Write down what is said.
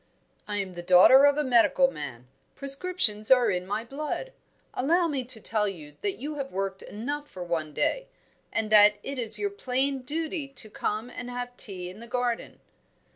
"I am the daughter of a medical man. Prescriptions are in my blood. Allow me to tell you that you have worked enough for one day, and that it is your plain duty to come and have tea in the garden."